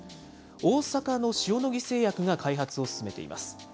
大阪の塩野義製薬が開発を進めています。